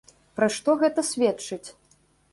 Пра што гэта сведчыць?